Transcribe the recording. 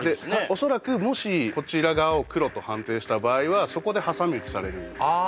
おそらくもしこちら側をクロと判定した場合はそこで挟み撃ちされるんですねああ